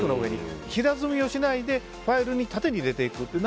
平積みをしないでファイルに縦に入れていく。